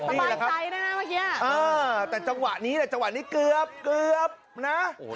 นี่แหละครับประมาณใจด้วยนะเมื่อกี้อ่าแต่จังหวะนี้แต่จังหวะนี้เกือบเกือบนะค่ะ